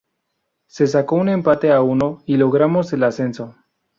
Se sacó un empate a uno y logramos el ascenso.